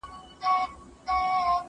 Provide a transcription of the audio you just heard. زه مخکي پلان جوړ کړی وو!